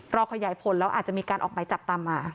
ขยายผลแล้วอาจจะมีการออกหมายจับตามมา